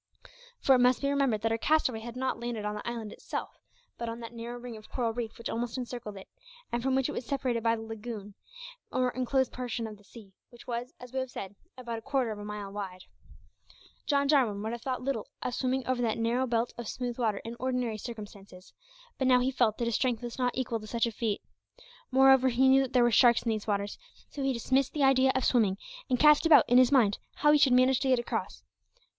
For it must be remembered that our castaway had not landed on the island itself, but on that narrow ring of coral reef which almost encircled it, and from which it was separated by the lagoon, or enclosed portion of the sea, which was, as we have said, about a quarter of a mile wide. John Jarwin would have thought little of swimming over that narrow belt of smooth water in ordinary circumstances, but now he felt that his strength was not equal to such a feat. Moreover, he knew that there were sharks in these waters, so he dismissed the idea of swimming, and cast about in his mind how he should manage to get across.